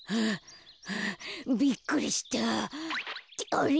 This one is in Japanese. あれ？